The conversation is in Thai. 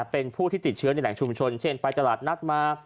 เป็นผู้ที่ติดเชื้อในแหล่งชุมชนเช่นไปตลาดนัดมา